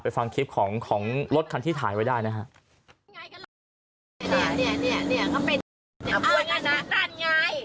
ไปฟังคลิปของรถกันที่ถ่ายไปได้นะฮะ